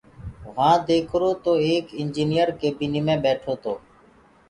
وهآنٚ ديکرو تو ايڪ اِنجنئير ڪيبيني مي ٻيٺو تو۔